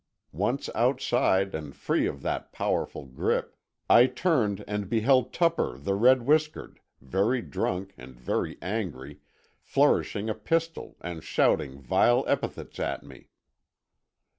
Once outside and free of that powerful grip, I turned and beheld Tupper the red whiskered, very drunk and very angry, flourishing a pistol and shouting vile epithets at me.